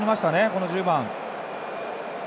この１０番。